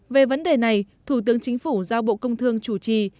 về vấn đề này thủ tướng chính phủ giao bộ công thương chủ trì